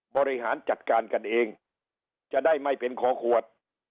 บริหารจัดการกันเองจะได้ไม่เป็นคอขวด